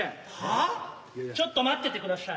ちょっと待っててくだしゃい。